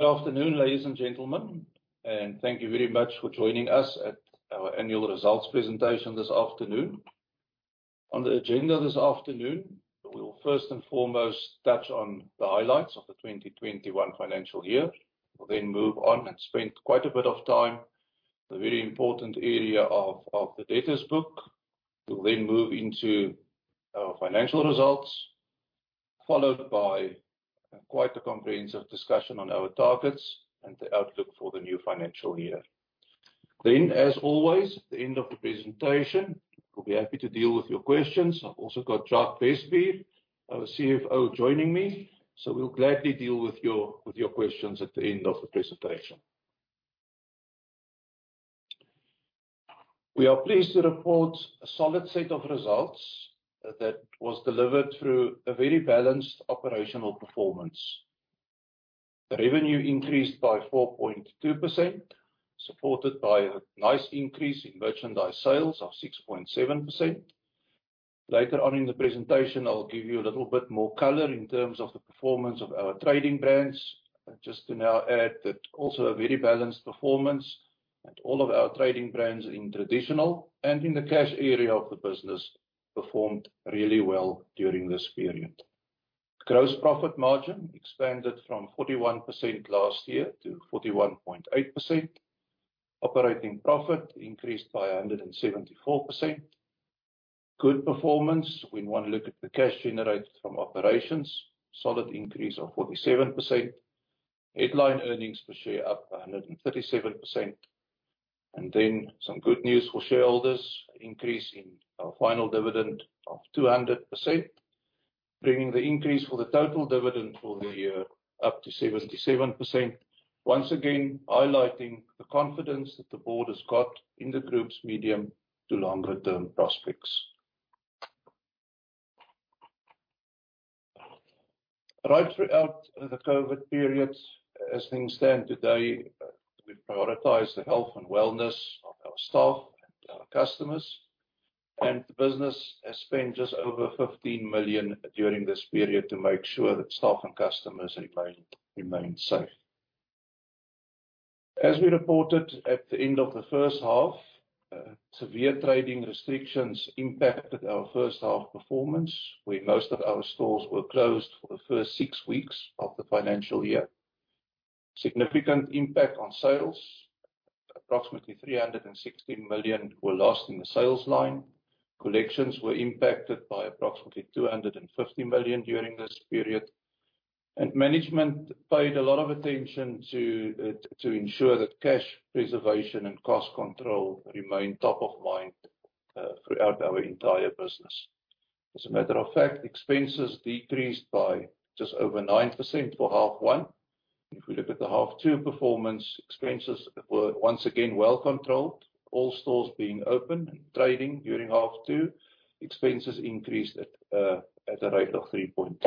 Good afternoon, ladies and gentlemen. Thank you very much for joining us at our annual results presentation this afternoon. On the agenda this afternoon, we will first and foremost touch on the highlights of the 2021 financial year. We'll then move on and spend quite a bit of time on the very important area of the debtors book. We'll then move into our financial results, followed by quite a comprehensive discussion on our targets and the outlook for the new financial year. As always, at the end of the presentation, we'll be happy to deal with your questions. I've also got Jacques Bestbier, our CFO, joining me, so we'll gladly deal with your questions at the end of the presentation. We are pleased to report a solid set of results that was delivered through a very balanced operational performance. The revenue increased by 4.2%, supported by a nice increase in merchandise sales of 6.7%. Later on in the presentation, I'll give you a little bit more color in terms of the performance of our trading brands. Just to now add that also a very balanced performance with all of our trading brands in traditional and in the cash area of the business performed really well during this period. Gross profit margin expanded from 41% last year to 41.8%. Operating profit increased by 174%. Good performance when one look at the cash generated from operations, solid increase of 47%. Headline earnings per share up 137%. Some good news for shareholders, increase in our final dividend of 200%, bringing the increase for the total dividend for the year up to 77%. Once again, highlighting the confidence that the board has got in the group's medium to longer-term prospects. Right throughout the COVID-19 period, as things stand today, we prioritize the health and wellness of our staff and our customers. The business has spent just over 15 million during this period to make sure that staff and customers remain safe. As we reported at the end of the first half, severe trading restrictions impacted our first half performance, where most of our stores were closed for the first six weeks of the financial year. Significant impact on sales. Approximately 360 million were lost in the sales line. Collections were impacted by approximately 250 million during this period. Management paid a lot of attention to ensure that cash preservation and cost control remain top of mind throughout our entire business. As a matter of fact, expenses decreased by just over 9% for half one. If you look at the half two performance, expenses were once again well controlled. All stores being open and trading during half two, expenses increased at a rate of 3.2%.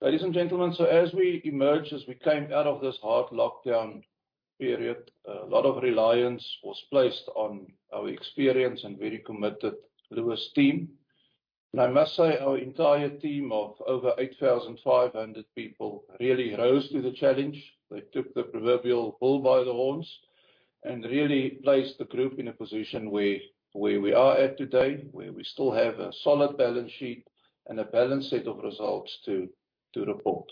Ladies and gentlemen, as we emerged, as we came out of this hard lockdown period, a lot of reliance was placed on our experienced and very committed Lewis team. I must say, our entire team of over 8,500 people really rose to the challenge. They took the proverbial bull by the horns and really placed the group in a position where we are at today, where we still have a solid balance sheet and a balanced set of results to report.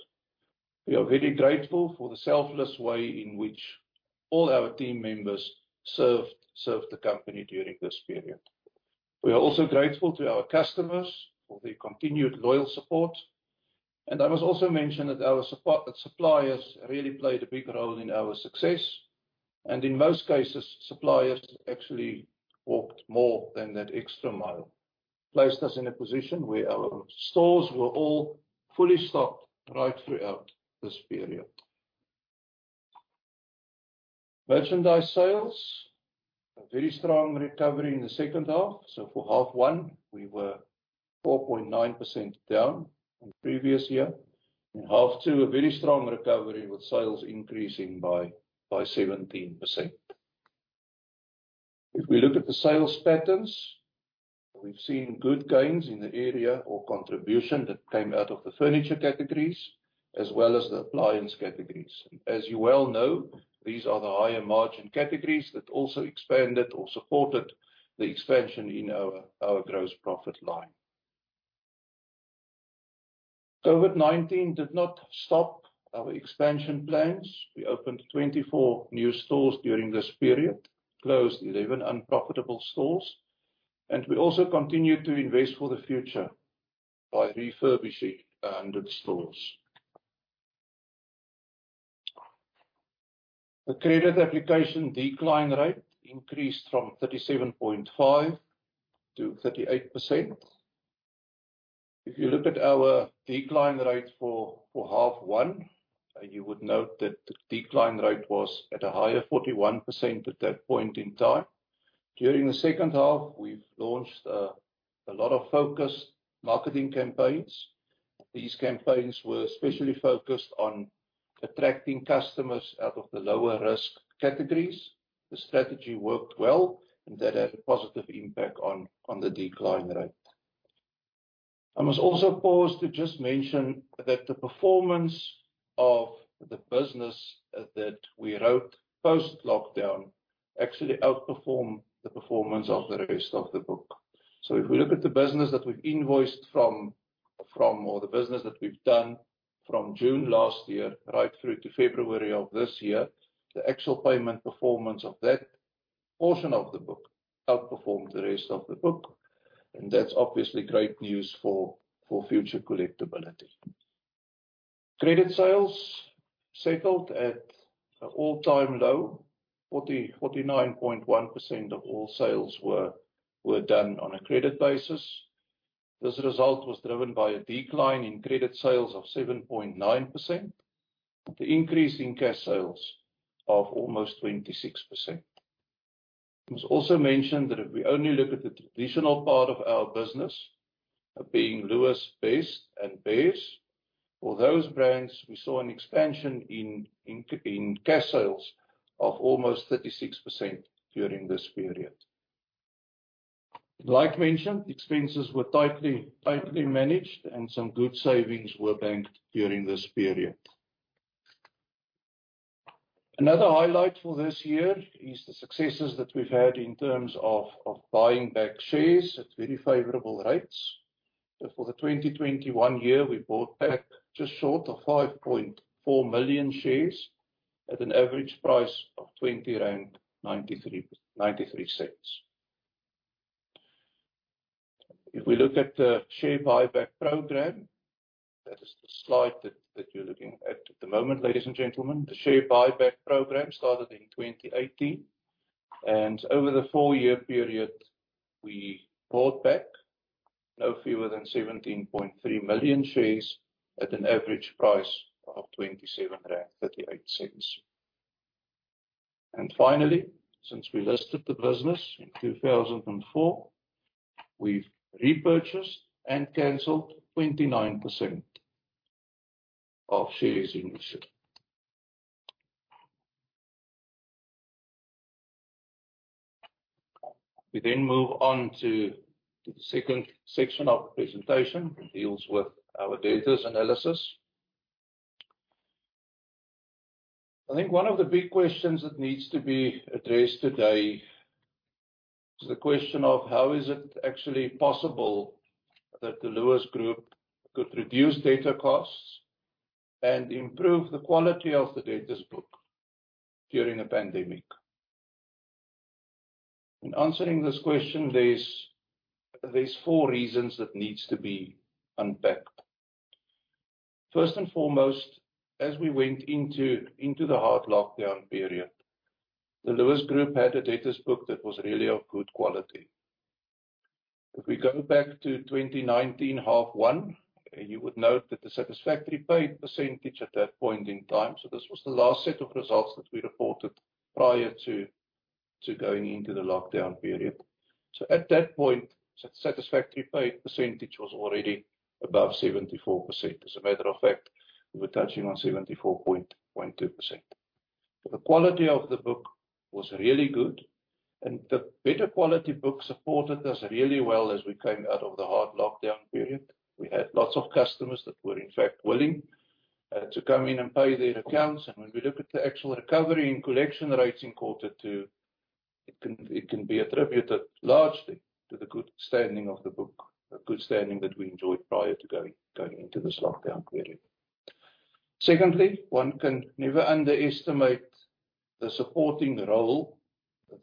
We are very grateful for the selfless way in which all our team members served the company during this period. We are also grateful to our customers for their continued loyal support. I must also mention that our suppliers really played a big role in our success. In most cases, suppliers actually walked more than that extra mile, placed us in a position where our stores were all fully stocked right throughout this period. Merchandise sales, a very strong recovery in the second half. For half one, we were 4.9% down from previous year. In half two, a very strong recovery with sales increasing by 17%. If we look at the sales patterns, we've seen good gains in the area or contribution that came out of the furniture categories as well as the appliance categories. As you well know, these are the higher margin categories that also expanded or supported the expansion in our gross profit line. COVID-19 did not stop our expansion plans. We opened 24 new stores during this period, closed 11 unprofitable stores, and we also continued to invest for the future by refurbishing 100 stores. The credit application decline rate increased from 37.5%-38%. If you look at our decline rate for half one, you would note that the decline rate was at a higher 41% at that point in time. During the second half, we've launched a lot of focused marketing campaigns. These campaigns were especially focused on attracting customers out of the lower risk categories. The strategy worked well, and that had a positive impact on the decline rate. I must also pause to just mention that the performance of the business that we wrote post-lockdown actually outperformed the performance of the rest of the book. If we look at the business that we've invoiced from, or the business that we've done from June last year right through to February of this year, the actual payment performance of that portion of the book outperformed the rest of the book, and that's obviously great news for future collectability. Credit sales settled at an all-time low. 49.1% of all sales were done on a credit basis. This result was driven by a decline in credit sales of 7.9% with an increase in cash sales of almost 26%. I must also mention that if we only look at the traditional part of our business, being Lewis, Best, and Beares. For those brands, we saw an expansion in cash sales of almost 36% during this period. Like mentioned, expenses were tightly managed, and some good savings were banked during this period. Another highlight for this year is the successes that we've had in terms of buying back shares at very favorable rates. For the 2021 year, we bought back just short of 5.4 million shares at an average price of 20.93 rand. If we look at the share buyback program, that is the slide that you're looking at at the moment, ladies and gentlemen. The share buyback program started in 2018, and over the four-year period, we bought back no fewer than 17.3 million shares at an average price of 27.38 rand. Finally, since we listed the business in 2004, we've repurchased and canceled 29% of shares in issue. We move on to the second section of the presentation, which deals with our debtors analysis. I think one of the big questions that needs to be addressed today is the question of how is it actually possible that the Lewis Group could reduce debtor costs and improve the quality of the debtors book during a pandemic? In answering this question, there's four reasons that needs to be unpacked. First and foremost, as we went into the hard lockdown period, the Lewis Group had a debtors book that was really of good quality. If we go back to 2019 half one, you would note that the satisfactory paid percentage at that point in time. This was the last set of results that we reported prior to going into the lockdown period. At that point, satisfactory paid percentage was already above 74%. As a matter of fact, we were touching on 74.2%. The quality of the book was really good, and the better quality book supported us really well as we came out of the hard lockdown period. We had lots of customers that were in fact willing to come in and pay their accounts. When we look at the actual recovery and collection rates in quarter two, it can be attributed largely to the good standing of the book, a good standing that we enjoyed prior to going into this lockdown period. Secondly, one can never underestimate the supporting role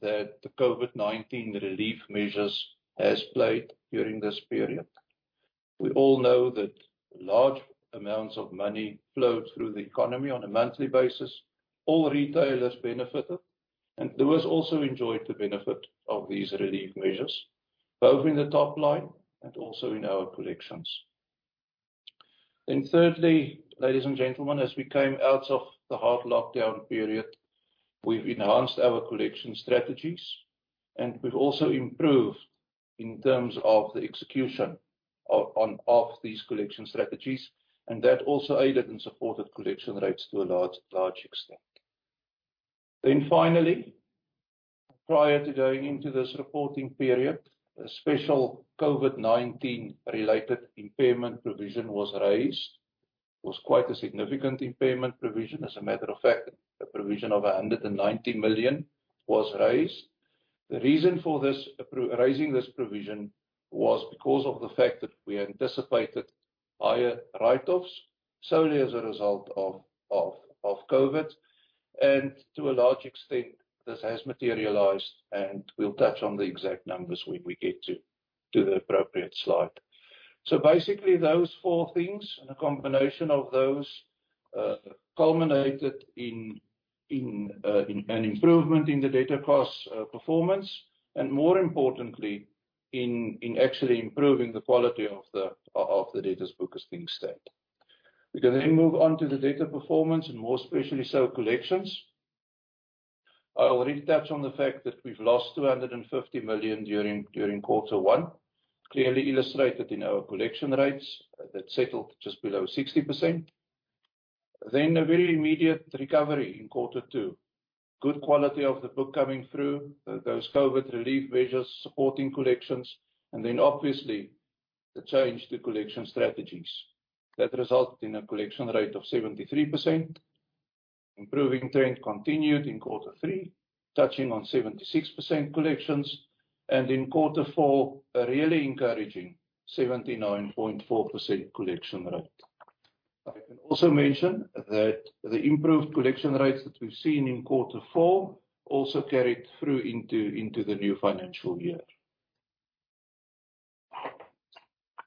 that the COVID-19 relief measures has played during this period. We all know that large amounts of money flowed through the economy on a monthly basis. All retailers benefited, and Lewis also enjoyed the benefit of these relief measures, both in the top line and also in our collections. Thirdly, ladies and gentlemen, as we came out of the hard lockdown period, we've enhanced our collection strategies, and we've also improved in terms of the execution of these collection strategies, and that also aided and supported collection rates to a large extent. Finally, prior to going into this reporting period, a special COVID-19-related impairment provision was raised. It was quite a significant impairment provision. As a matter of fact, a provision of 190 million was raised. The reason for raising this provision was because of the fact that we anticipated higher write-offs solely as a result of COVID. To a large extent, this has materialized, and we'll touch on the exact numbers when we get to the appropriate slide. Basically, those four things and a combination of those, culminated in an improvement in the debtor cost performance, and more importantly, in actually improving the quality of the debtors book as things stand. We can then move on to the debtor performance, and more especially so collections. I already touched on the fact that we've lost 250 million during quarter one, clearly illustrated in our collection rates that settled just below 60%. A very immediate recovery in quarter two. Good quality of the book coming through, those COVID-19 relief measures supporting collections, and then obviously the change to collection strategies that result in a collection rate of 73%. Improving trend continued in quarter three, touching on 76% collections, and in quarter four, a really encouraging 79.4% collection rate. I can also mention that the improved collection rates that we've seen in quarter four also carried through into the new financial year.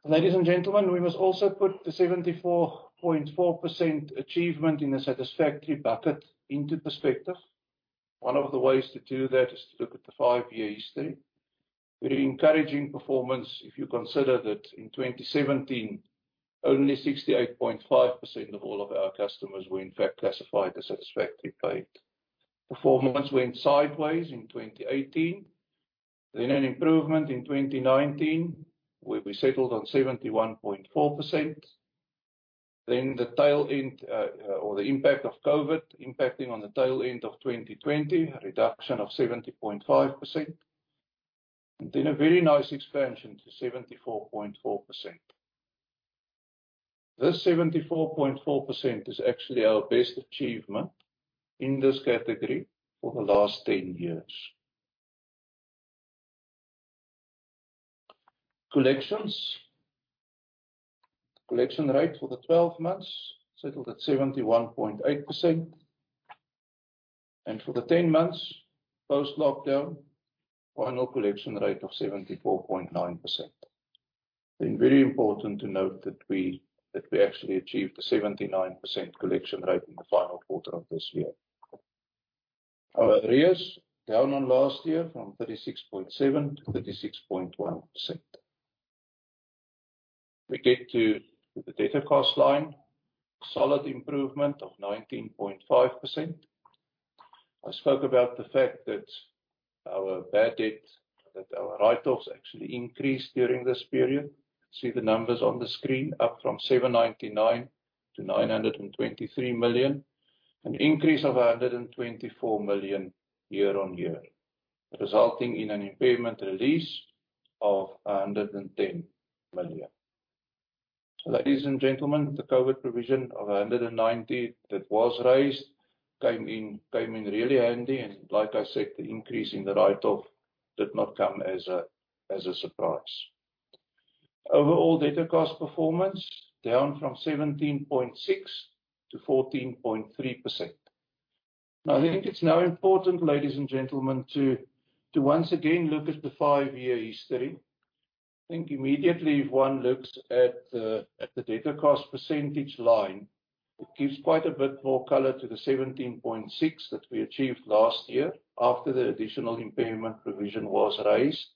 Ladies and gentlemen, we must also put the 74.4% achievement in a satisfactory paid into perspective. One of the ways to do that is to look at the five-year history. Very encouraging performance if you consider that in 2017, only 68.5% of all of our customers were in fact classified as satisfactory paid. Performance went sideways in 2018, an improvement in 2019, where we settled on 71.4%. The impact of COVID-19 impacting on the tail end of 2020, a reduction of 70.5%, and then a very nice expansion to 74.4%. This 74.4% is actually our best achievement in this category for the last 10 years. Collections. Collection rate for the 12 months settled at 71.8%, and for the 10 months post-lockdown, final collection rate of 74.9%. Very important to note that we actually achieved a 79% collection rate in the final quarter of this year. Our arrears down on last year from 36.7%-36.1%. We get to the debtor cost line, solid improvement of 19.5%. I spoke about the fact that our bad debt, that our write-offs actually increased during this period. See the numbers on the screen, up from 799 million to 923 million, an increase of 124 million year-on-year, resulting in an impairment release of 110 million. Ladies and gentlemen, the COVID-19 provision of 190 million that was raised came in really handy. Like I said, the increase in the write-off did not come as a surprise. Overall debtor cost performance down from 17.6%-14.3%. Now, I think it's now important, ladies and gentlemen, to once again look at the five-year history. I think immediately if one looks at the debtor cost percentage line, it gives quite a bit more color to the 17.6% that we achieved last year after the additional impairment provision was raised.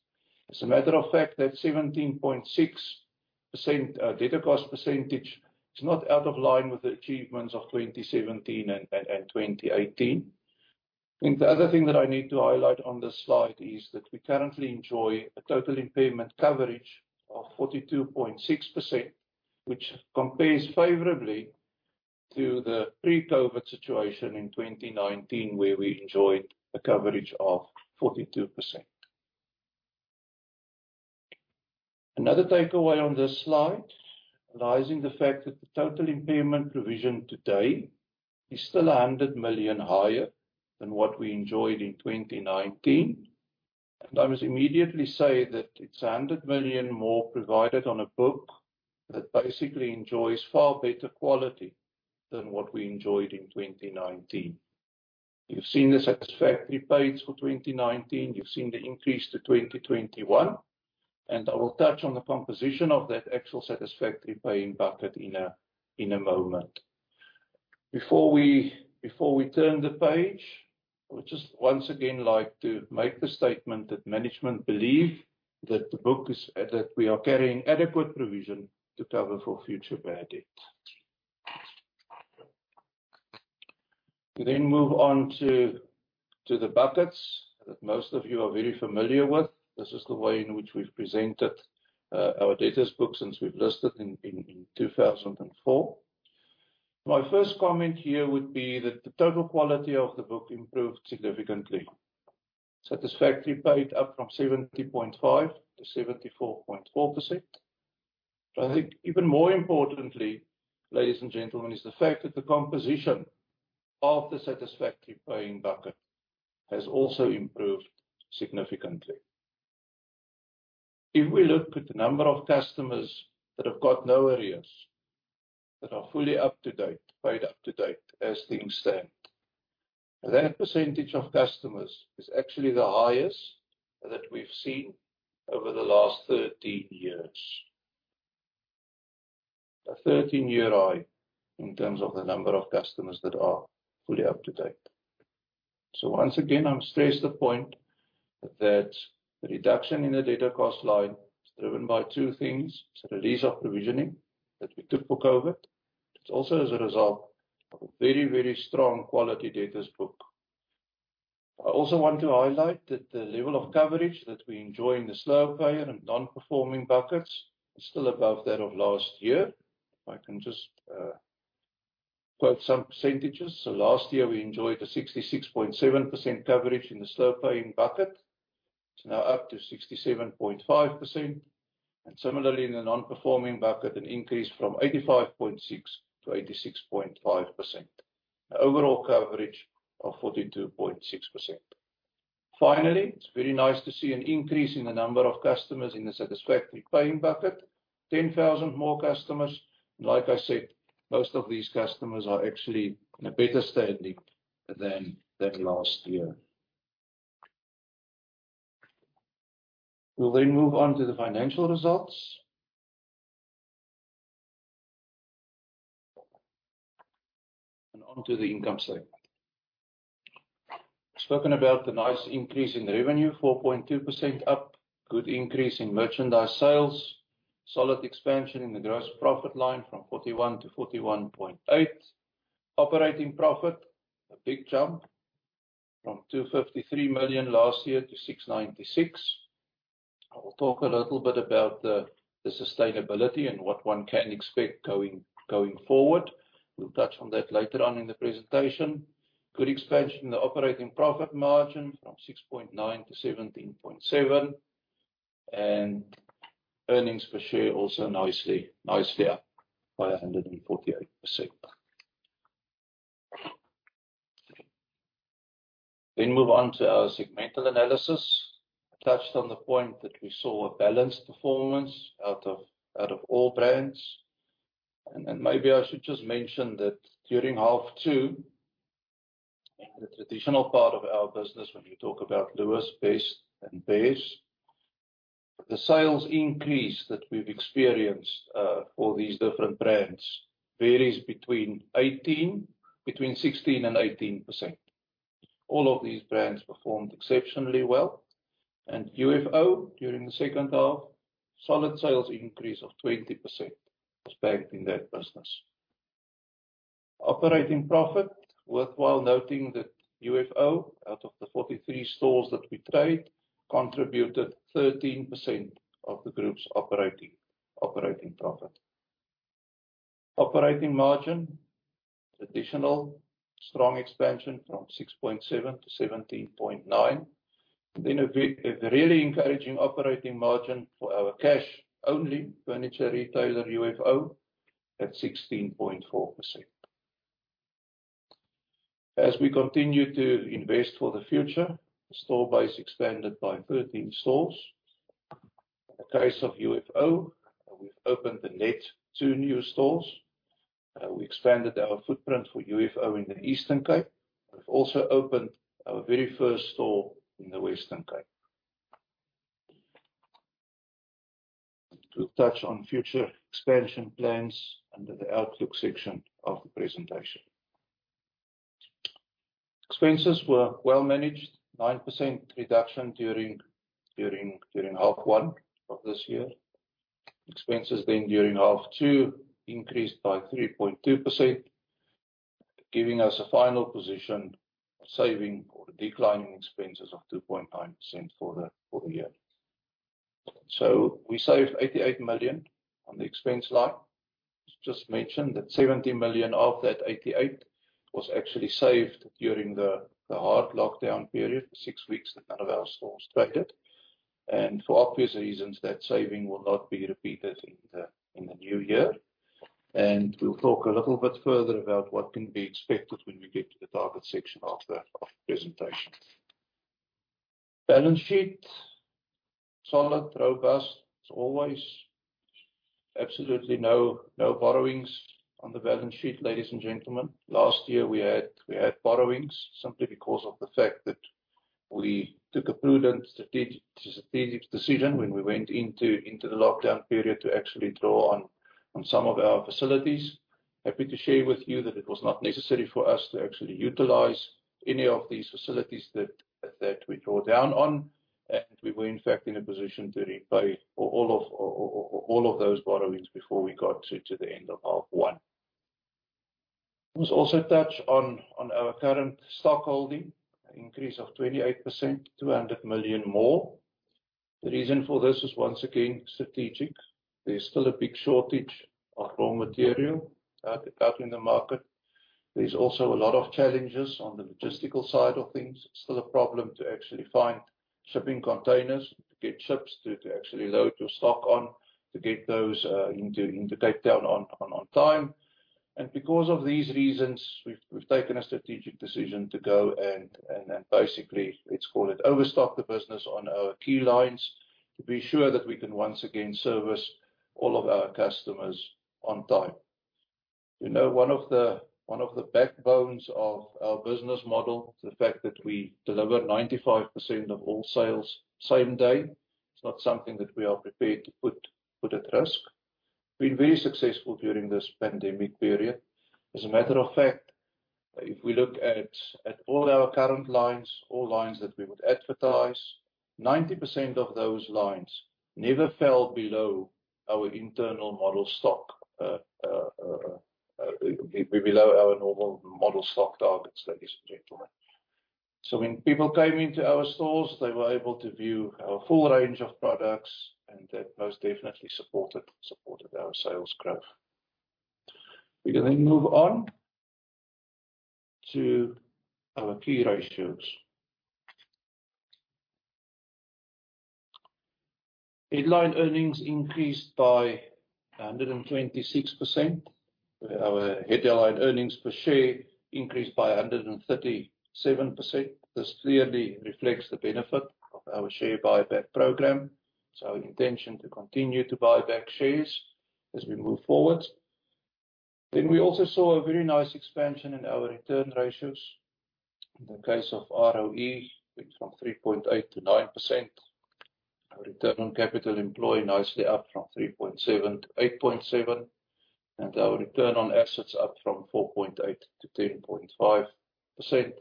As a matter of fact, that 17.6% debtor cost percentage is not out of line with the achievements of 2017 and 2018. I think the other thing that I need to highlight on this slide is that we currently enjoy a total impairment coverage of 42.6%, which compares favorably to the pre-COVID-19 situation in 2019 where we enjoyed a coverage of 42%. Another takeaway on this slide, realizing the fact that the total impairment provision today is still 100 million higher than what we enjoyed in 2019. I must immediately say that it's 100 million more provided on a book that basically enjoys far better quality than what we enjoyed in 2019. You've seen the satisfactory paid for 2019. You've seen the increase to 2021. I will touch on the composition of that actual satisfactory paying bucket in a moment. Before we turn the page, I would just once again like to make the statement that management believe that we are carrying adequate provision to cover for future bad debt. We move on to the buckets that most of you are very familiar with. This is the way in which we've presented our debtors book since we've listed in 2004. My first comment here would be that the total quality of the book improved significantly. Satisfactory paid up from 70.5%-74.4%. I think even more importantly, ladies and gentlemen, is the fact that the composition of the satisfactory paid bucket has also improved significantly. If we look at the number of customers that have got no arrears, that are fully up to date, paid up to date as things stand, that percentage of customers is actually the highest that we've seen over the last 13 years. A 13-year high in terms of the number of customers that are fully up to date. Once again, I must stress the point that the reduction in the debtor cost line is driven by two things. It's a release of provisioning that we took for COVID. It also is a result of a very, very strong quality debtors book. I also want to highlight that the level of coverage that we enjoy in the slow payer and non-performing buckets is still above that of last year. If I can just quote some percentages. Last year, we enjoyed a 66.7% coverage in the slow paying bucket. It's now up to 67.5%. Similarly, in the non-performing bucket, an increase from 85.6%-86.5%. An overall coverage of 42.6%. Finally, it's very nice to see an increase in the number of customers in the satisfactory paying bucket, 10,000 more customers. Like I said, most of these customers are actually in a better standing than last year. We'll move on to the financial results. On to the income statement. Spoken about the nice increase in revenue, 4.2% up. Good increase in merchandise sales. Solid expansion in the gross profit line from 41%-41.8%. Operating profit, a big jump from 253 million last year to 696 million. I will talk a little bit about the sustainability and what one can expect going forward. We'll touch on that later on in the presentation. Good expansion in the operating profit margin from 6.9%-17.7%. Earnings per share also nicely up by 148%. Move on to our segmental analysis. Touched on the point that we saw a balanced performance out of all brands. Maybe I should just mention that during half two, in the traditional part of our business, when we talk about Lewis, Best Home & Electric and Beares, the sales increase that we've experienced for these different brands varies between 16% and 18%. All of these brands performed exceptionally well. UFO during the second half, solid sales increase of 20% was backed in that business. Operating profit, worthwhile noting that UFO, out of the 43 stores that we trade, contributed 13% of the group's operating profit. Operating margin, traditional strong expansion from 6.7%-17.9%. A really encouraging operating margin for our cash only furniture retailer, UFO, at 16.4%. As we continue to invest for the future, store base expanded by 13 stores. In the case of UFO, we've opened the net two new stores. We expanded our footprint for UFO in the Eastern Cape. We've also opened our very first store in the Western Cape. We'll touch on future expansion plans under the outlook section of the presentation. Expenses were well managed, 9% reduction during half one of this year. Expenses during half two increased by 3.2%, giving us a final position of saving or declining expenses of 2.9% for the year. We saved 88 million on the expense line. Just mention that 70 million of that 88 was actually saved during the hard lockdown period, the six weeks that none of our stores traded. For obvious reasons, that saving will not be repeated in the new year. We'll talk a little bit further about what can be expected when we get to the target section of the presentation. Balance sheet, solid, robust as always. Absolutely no borrowings on the balance sheet, ladies and gentlemen. Last year, we had borrowings simply because of the fact that we took a prudent strategic decision when we went into the lockdown period to actually draw on some of our facilities. Happy to share with you that it was not necessary for us to actually utilize any of these facilities that we draw down on. We were, in fact, in a position to repay all of those borrowings before we got to the end of half one. Must also touch on our current stock holding, an increase of 28%, 200 million more. The reason for this is once again, strategic. There is still a big shortage of raw material out in the market. There is also a lot of challenges on the logistical side of things. Still a problem to actually find shipping containers to get ships to actually load your stock on, to get those into Cape Town on time. Because of these reasons, we have taken a strategic decision to go and basically, let us call it overstock the business on our key lines to be sure that we can once again service all of our customers on time. One of the backbones of our business model is the fact that we deliver 95% of all sales, same day. It's not something that we are prepared to put at risk. We've been very successful during this pandemic period. As a matter of fact, if we look at all our current lines, all lines that we would advertise, 90% of those lines never fell below our internal model stock, below our normal model stock targets, ladies and gentlemen. When people came into our stores, they were able to view our full range of products, and that most definitely supported our sales growth. We can move on to our key ratios. Headline earnings increased by 126%, but our headline earnings per share increased by 137%. This clearly reflects the benefit of our share buyback program. Our intention to continue to buy back shares as we move forward. We also saw a very nice expansion in our return ratios. In the case of ROE, went from 3.8%-9%. Our return on capital employed nicely up from 3.7%-8.7%, and our return on assets up from 4.8%-10.5%.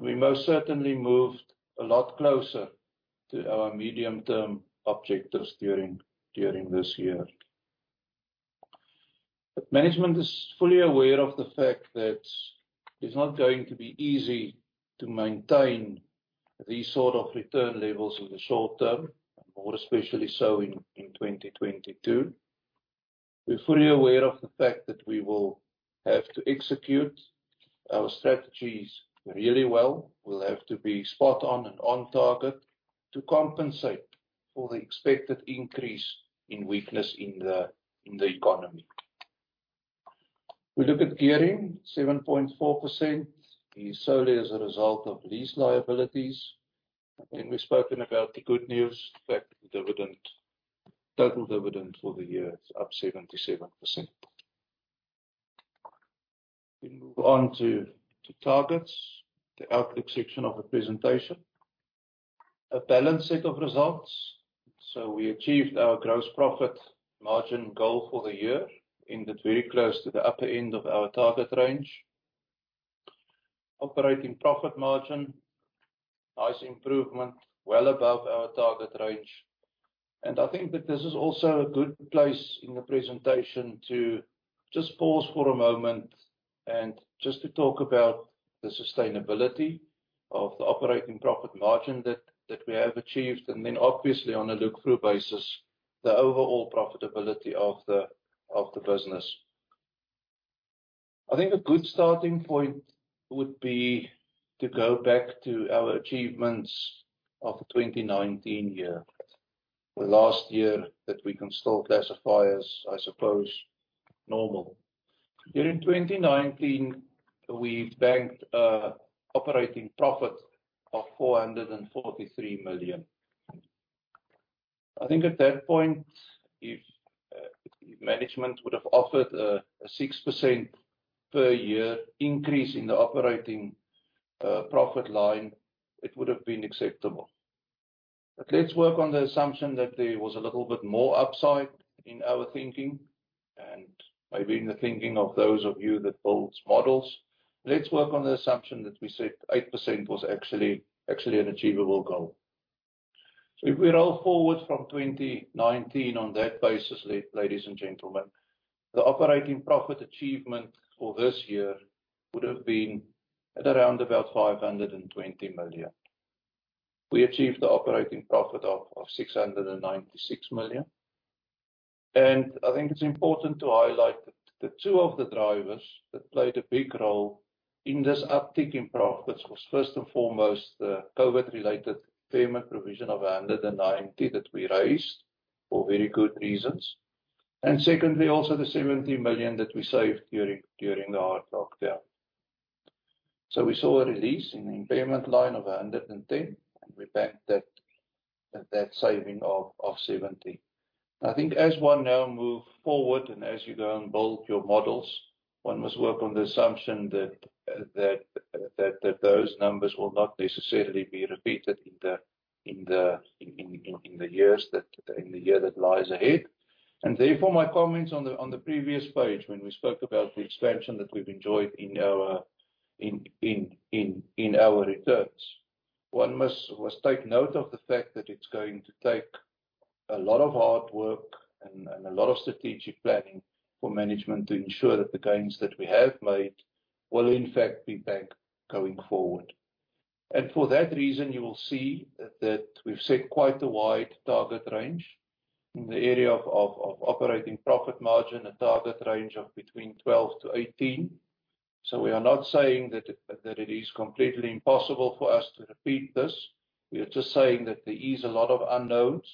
We most certainly moved a lot closer to our medium-term objectives during this year. Management is fully aware of the fact that it's not going to be easy to maintain these sort of return levels in the short term, and more especially so in 2022. We're fully aware of the fact that we will have to execute our strategies really well. We'll have to be spot on and on target to compensate for the expected increase in weakness in the economy. We look at gearing, 7.4%, solely as a result of lease liabilities. We've spoken about the good news that total dividend for the year is up 77%. We move on to targets, the outlook section of the presentation. A balanced set of results. We achieved our gross profit margin goal for the year, ended very close to the upper end of our target range. Operating profit margin, nice improvement, well above our target range. I think that this is also a good place in the presentation to just pause for a moment and just to talk about the sustainability of the operating profit margin that we have achieved, and then obviously on a look-through basis, the overall profitability of the business. I think a good starting point would be to go back to our achievements of 2019 year. The last year that we can still classify as, I suppose, normal. During 2019, we banked a operating profit of 443 million. I think at that point, if management would have offered a 6% per year increase in the operating profit line, it would have been acceptable. Let's work on the assumption that there was a little bit more upside in our thinking, and maybe in the thinking of those of you that build models. Let's work on the assumption that we said 8% was actually an achievable goal. If we roll forward from 2019 on that basis, ladies and gentlemen, the operating profit achievement for this year would have been at around about 520 million. We achieved the operating profit of 696 million, I think it's important to highlight that the two of the drivers that played a big role in this uptick in profits was first and foremost, the COVID-19-related impairment provision of 190 million that we raised for very good reasons. Secondly, also 70 million that we saved during the hard lockdown. We saw a release in the impairment line of 110 million, and we banked that saving of 70 million. I think as one now move forward and as you go and build your models, one must work on the assumption that those numbers will not necessarily be repeated in the year that lies ahead. Therefore, my comments on the previous page when we spoke about the expansion that we've enjoyed in our returns. One must take note of the fact that it's going to take a lot of hard work and a lot of strategic planning for management to ensure that the gains that we have made will in fact be back going forward. For that reason, you will see that we've set quite a wide target range. In the area of operating profit margin, a target range of between 12%-18%. We are not saying that it is completely impossible for us to repeat this. We are just saying that there is a lot of unknowns,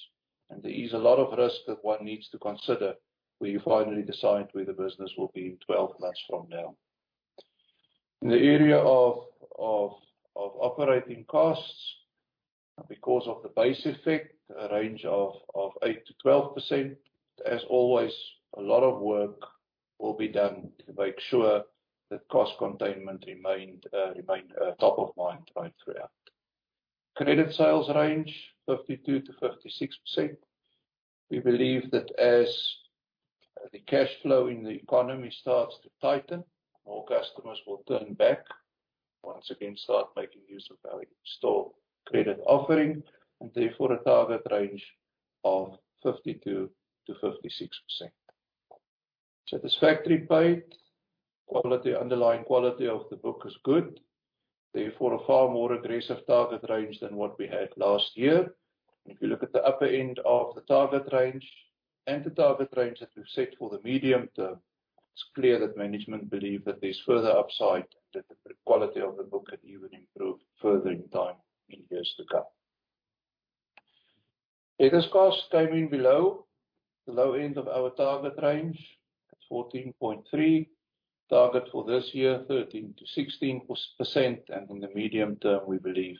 and there is a lot of risk that one needs to consider when you finally decide where the business will be 12 months from now. In the area of operating costs, because of the base effect, a range of 8%-12%. As always, a lot of work will be done to make sure that cost containment remain top of mind going through. Credit sales range 52%-56%. We believe that as the cash flow in the economy starts to tighten, more customers will turn back, once again start making use of our in-store credit offering, therefore a target range of 52%-56%. Satisfactory paid. Quality, underlying quality of the book is good. Therefore, a far more aggressive target range than what we had last year. If you look at the upper end of the target range, the target range is successful, the medium term, it's clear that management believe that there's further upside, that the quality of the book can even improve further in time, in years to come. Debtors cost came in below end of our target range at 14.3%. Target for this year, 13%-16%, and in the medium term, we believe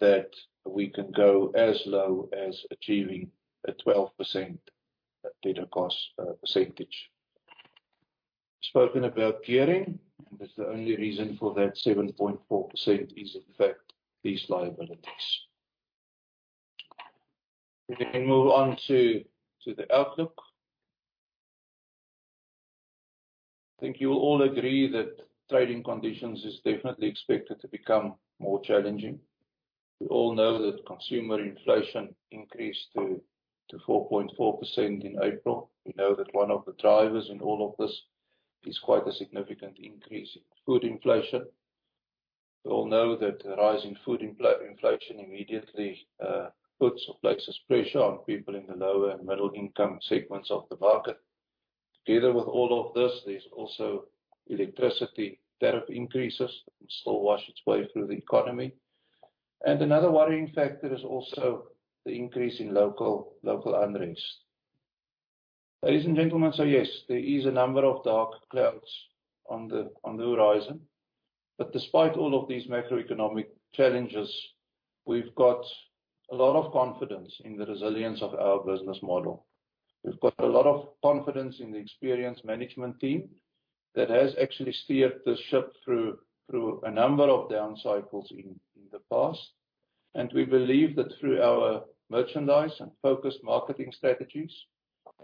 that we can go as low as achieving a 12% debtor cost percentage. Spoken about gearing, and that's the only reason for that 7.4% is in fact these liabilities. We move on to the outlook. I think you'll all agree that trading conditions is definitely expected to become more challenging. We all know that consumer inflation increased to 4.4% in April. We know that one of the drivers in all of this is quite a significant increase in food inflation. We all know that the rise in food inflation immediately puts or places pressure on people in the lower and middle income segments of the market. Together with all of this, there's also electricity tariff increases that will still wash its way through the economy. Another worrying factor is also the increase in local unrest. Ladies and gentlemen, Yes, there is a number of dark clouds on the horizon. Despite all of these macroeconomic challenges, we've got a lot of confidence in the resilience of our business model. We've got a lot of confidence in the experienced management team that has actually steered the ship through a number of down cycles in the past. We believe that through our merchandise and focused marketing strategies,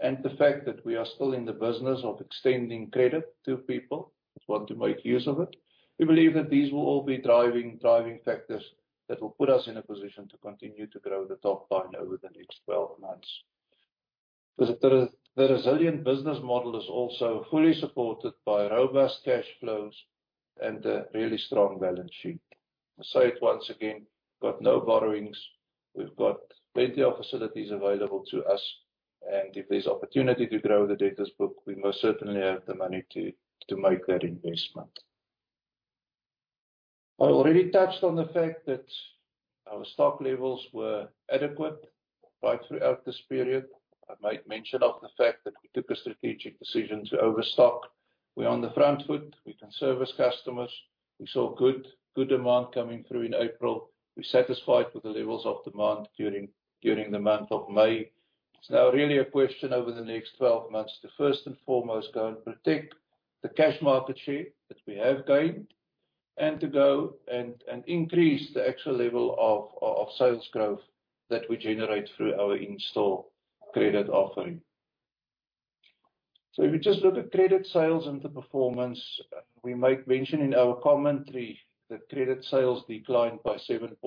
and the fact that we are still in the business of extending credit to people who want to make use of it, we believe that these will all be driving factors that will put us in a position to continue to grow the top line over the next 12 months. The resilient business model is also fully supported by robust cash flows and a really strong balance sheet. I say it once again, we've got no borrowings, we've got plenty of facilities available to us, and if there's opportunity to grow the debtors book, we most certainly have the money to make that investment. I already touched on the fact that our stock levels were adequate right throughout this period. I made mention of the fact that we took a strategic decision to overstock. We're on the front foot. We can service customers. We saw good demand coming through in April. We're satisfied with the levels of demand during the month of May. It's now really a question over the next 12 months to first and foremost go and protect the cash market share that we have gained and to go and increase the actual level of sales growth that we generate through our in-store credit offering. If you just look at credit sales and the performance, we made mention in our commentary that credit sales declined by 7.9%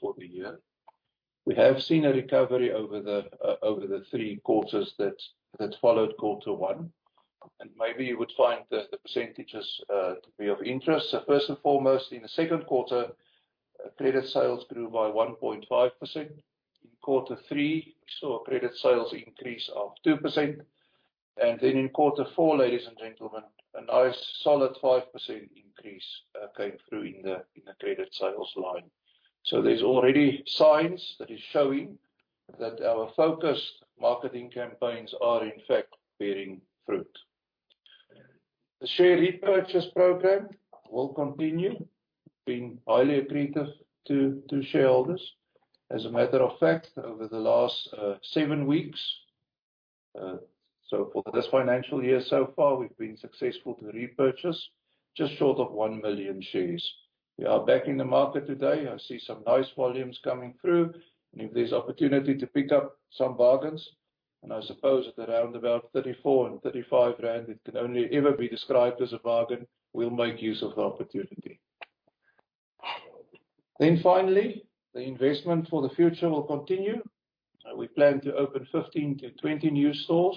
for the year. We have seen a recovery over the three quarters that followed quarter one, and maybe you would find that the percentages to be of interest. First and foremost, in the second quarter, credit sales grew by 1.5%. In quarter three, we saw credit sales increase of 2%. Then in quarter four, ladies and gentlemen, a nice solid 5% increase came through in the credit sales line. There's already signs that is showing that our focused marketing campaigns are in fact bearing fruit. The share repurchase program will continue being highly accretive to shareholders. As a matter of fact, over the last seven weeks, for this financial year so far, we've been successful to repurchase just short of 1 million shares. We are back in the market today. I see some nice volumes coming through, if there's opportunity to pick up some bargains, I suppose at around about 34 and 35 rand, it can only ever be described as a bargain, we'll make use of the opportunity. Finally, the investment for the future will continue. We plan to open 15-20 new stores.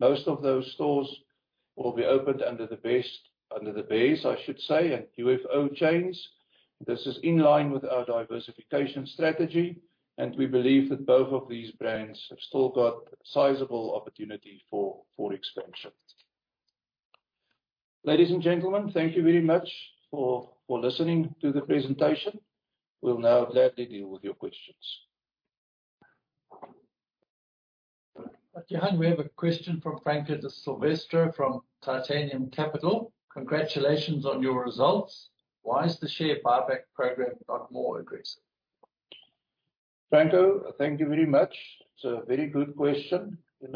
Most of those stores will be opened under the Best, under the Beares, I should say, and UFO chains. This is in line with our diversification strategy, and we believe that both of these brands have still got sizable opportunity for expansion. Ladies and gentlemen, thank you very much for listening to the presentation. We will now gladly deal with your questions. Johan, we have a question from Franca Silvestri from Titanium Capital. Congratulations on your results. Why has the share buyback program got more aggressive? Franco, thank you very much. It's a very good question. In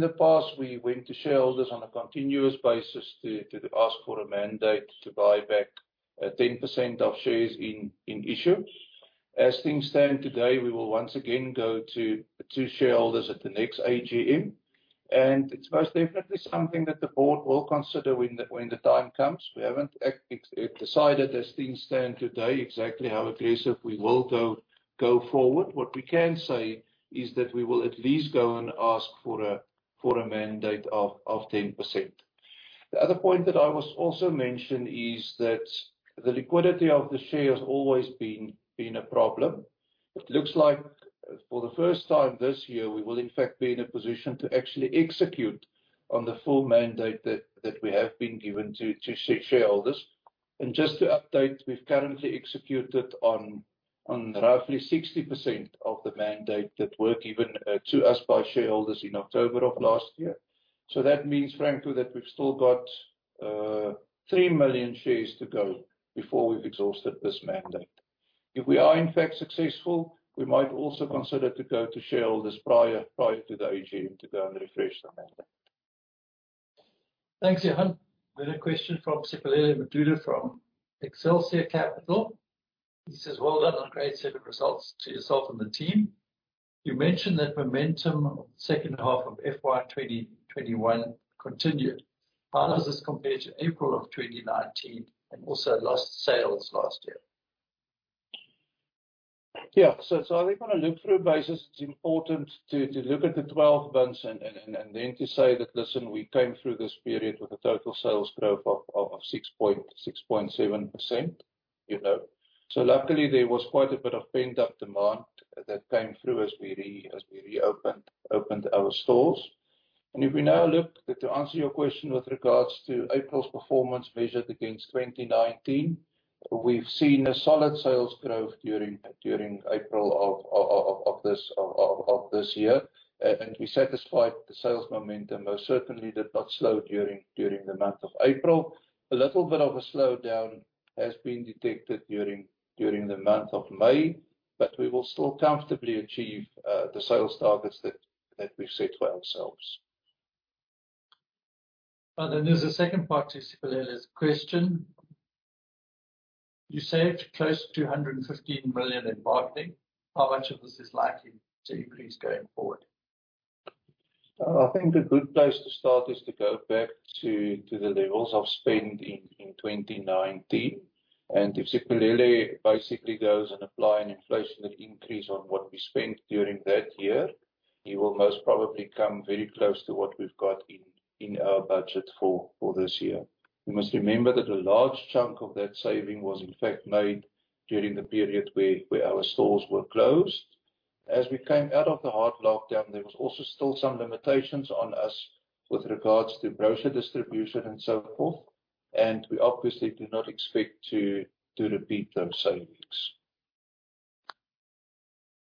the past, we went to shareholders on a continuous basis to ask for a mandate to buy back 10% of shares in issue. As things stand today, we will once again go to shareholders at the next AGM, it's most definitely something that the board will consider when the time comes. We haven't actually decided, as things stand today, exactly how aggressive we will go forward. What we can say is that we will at least go and ask for a mandate of 10%. The other point that I must also mention is that the liquidity of the share has always been a problem. It looks like for the first time this year, we will in fact be in a position to actually execute on the full mandate that we have been given to shareholders. Just to update, we've currently executed on roughly 60% of the mandate that were given to us by shareholders in October of last year. That means, Franco, that we've still got 3 million shares to go before we've exhausted this mandate. If we are in fact successful, we might also consider to go to shareholders prior to the AGM to go and refresh the mandate. Thanks, Johan. A question from Siphelele Mdudu from Excelsia Capital. He says, "Well done on a great set of results to yourself and the team. You mentioned that momentum of second half of FY 2021 continued. How does this compare to April of 2019, and also last sales last year? Yeah. I think on a look-through basis, it's important to look at the 12 months and then to say that, "Listen, we came through this period with a total sales growth of 6.7%." Luckily, there was quite a bit of pent-up demand that came through as we reopened our stores. If we now look, to answer your question with regards to April's performance measured against 2019, we've seen a solid sales growth during April of this year, and we're satisfied the sales momentum most certainly did not slow during the month of April. A little bit of a slowdown has been detected during the month of May, we will still comfortably achieve the sales targets that we've set for ourselves. Then there's a second part to Siphelele's question. You saved close to 115 million in marketing. How much of this is likely to increase going forward? I think a good place to start is to go back to the levels of spend in 2019. If Siphelele basically goes and apply an inflationary increase on what we spent during that year, he will most probably come very close to what we've got in our budget for this year. You must remember that a large chunk of that saving was in fact made during the period where our stores were closed. As we came out of the hard lockdown, there was also still some limitations on us with regards to brochure distribution and so forth, we obviously do not expect to repeat those savings.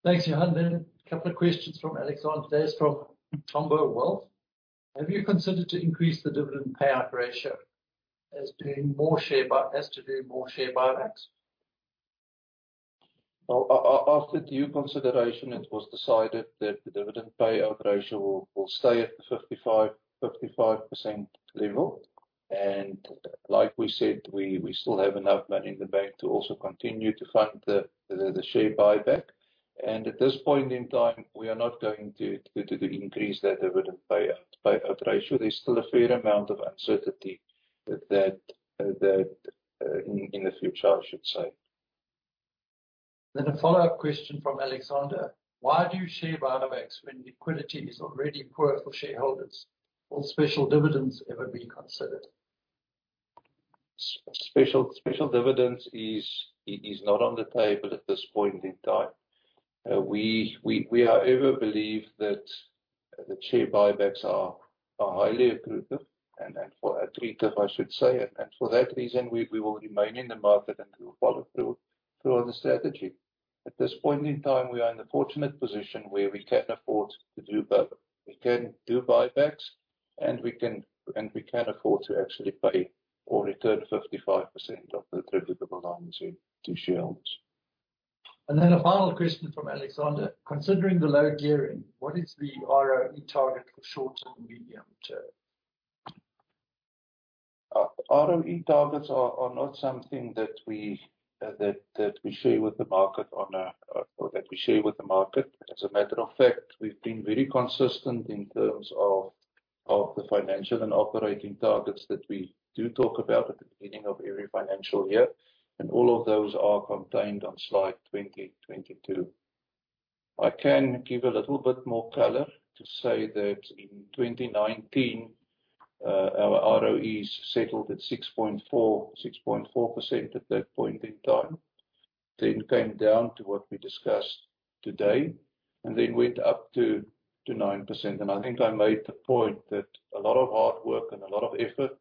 Thanks, Johan. A couple of questions from Alexander Sprules from [Tambo Capital]. Have you considered to increase the dividend payout ratio as to do more share buybacks? Well, after due consideration, it was decided that the dividend payout ratio will stay at the 55% level. Like we said, we still have enough money in the bank to also continue to fund the share buyback. At this point in time, we are not going to increase that dividend payout ratio. There's still a fair amount of uncertainty that, in the future, I should say. A follow-up question from Alexander. Why do share buybacks when liquidity is already poor for shareholders? Will special dividends ever be considered? Special dividends is not on the table at this point in time. We, however, believe that the share buybacks are highly accretive, and for that reason, we will remain in the market and we will follow through on the strategy. At this point in time, we are in the fortunate position where we can afford to do both. We can do buybacks, and we can afford to actually pay or return 55% of the attributable earnings to shareholders. A final question from Alexander. Considering the low gearing, what is the ROE target for short and medium-term? ROE targets are not something that we share with the market. As a matter of fact, we've been very consistent in terms of the financial and operating targets that we do talk about at the beginning of every financial year. All of those are contained on slide 20 to 22. I can give a little bit more color to say that in 2019, our ROEs settled at 6.4% at that point in time. Came down to what we discussed today, and then went up to 9%. I think I made the point that a lot of hard work and a lot of effort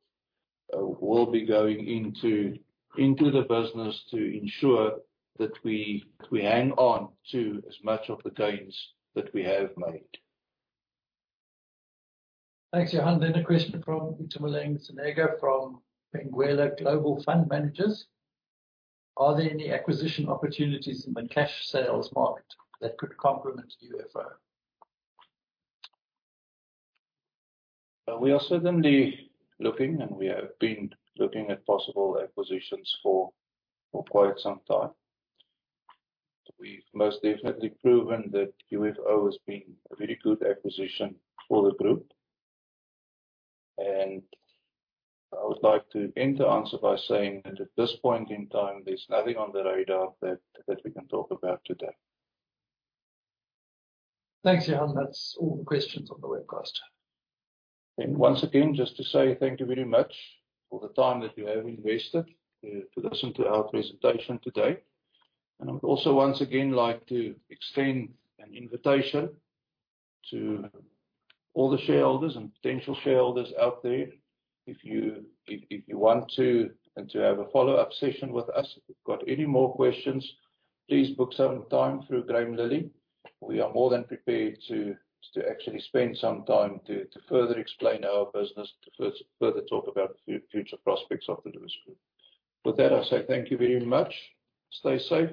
will be going into the business to ensure that we hang on to as much of the gains that we have made. Thanks, Johan. A question from Victor Mlengana from Benguela Global Fund Managers. Are there any acquisition opportunities in the cash sales market that could complement UFO? We are certainly looking, and we have been looking at possible acquisitions for quite some time. We've most definitely proven that UFO has been a very good acquisition for the group. I would like to end the answer by saying that at this point in time, there's nothing on the radar that we can talk about today. Thanks, Johan. That's all the questions on the webcast. Once again, just to say thank you very much for the time that you have invested to listen to our presentation today. I would also once again like to extend an invitation to all the shareholders and potential shareholders out there. If you want to have a follow-up session with us, if you've got any more questions, please book some time through Graeme Lister. We are more than prepared to actually spend some time to further explain our business, to further talk about the future prospects of the Lewis Group. With that, I say thank you very much. Stay safe.